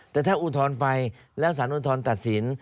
แต่ถ้าอูทรไปแล้วสารอูทรตัดสิน